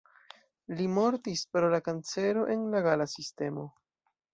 Li mortis pro la kancero en la gala sistemo.